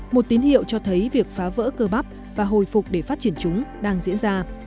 một tín hiệu cho thấy việc phá vỡ cơ bắp và hồi phục để phát triển chúng đang diễn ra